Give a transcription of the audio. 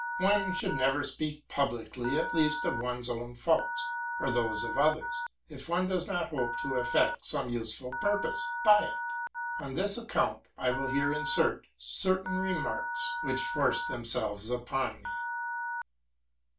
One should never speak, publicly at least, of his own faults, or those of others, unless he hopes to attain some useful end thereby: on this account I will here insert cer tain remarks which force themselves upon me.